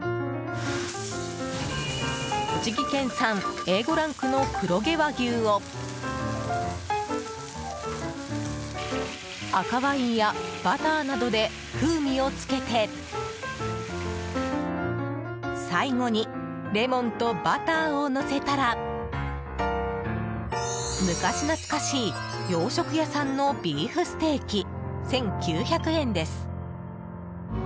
栃木県産Ａ５ランクの黒毛和牛を赤ワインやバターなどで風味をつけて最後にレモンとバターをのせたら昔懐かしい洋食屋さんのビーフステーキ、１９００円です。